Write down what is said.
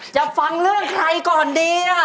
ฟังเรื่องใครก่อนดี